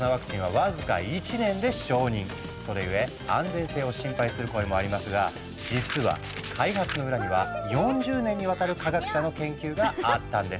それゆえ安全性を心配する声もありますが実は開発の裏には４０年にわたる科学者の研究があったんです。